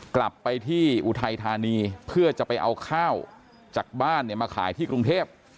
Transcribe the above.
กลับไปที่อุทัยธานีเพื่อจะไปเอาข้าวจากบ้านเนี่ยมาขายที่กรุงเทพ